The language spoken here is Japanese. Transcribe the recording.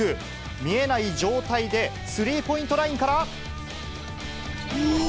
見えない状態でスリーポイントラインから。